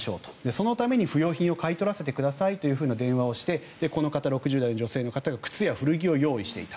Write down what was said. そのために不用品を買い取らせてくださいというふうな電話をしてこの方、６０代女性の方が靴や古着を用意していた。